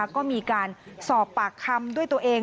ก็มีการสอบปากคำด้วยตัวเอง